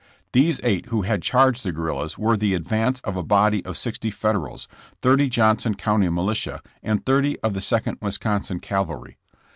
These eight who had charged the guerrillas were the advance of a body of sixty Federals, thirty Johnson County militia and thirty of the Second Wisconsin cavalry.